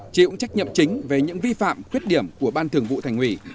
chịu trách nhiệm chính về những vi phạm khuyết điểm của ban thường vụ thành ủy